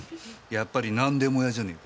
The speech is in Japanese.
やっぱりなんでも屋じゃねえかよ。